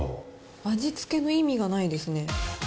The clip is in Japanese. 味付けの意味がないですね。